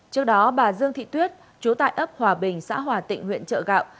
trước đó bà dương thị tuyết chú tại ấp hòa bình xã hòa tịnh huyện trợ gạo